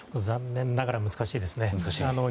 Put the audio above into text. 残念ながら難しいですね。